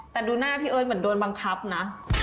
แต่ดูหน้าพี่เอิร์ทเหมือนโดนบังคับนะ